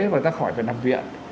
và người ta khỏi phải nằm viện